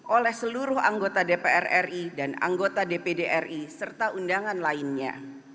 oleh seluruh anggota dpr ri dan anggota dpd ri serta undangan lainnya